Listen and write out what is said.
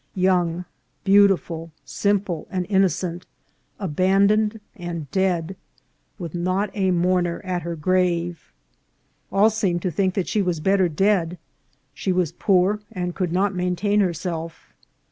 Young, beautiful, simple, and innocent, abandoned and dead, with not a mourner at her grave. All seemed to think that she was better dead ; she was poor, and could not maintain herself.